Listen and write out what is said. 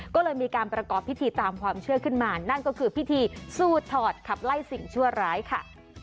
ก็เลยมีการประกอบพิธีตามความเชื่อขึ้นมานั่นก็คือพิธีสู้ถอดขับไล่สิ่งชั่วร้ายค่ะ